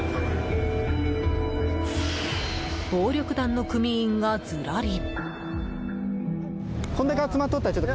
暴力団の組員がずらり。